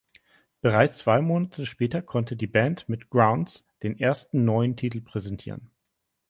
Bereits zwei Monate später konnte die Band mit "Grounds" den ersten neuen Titel präsentieren.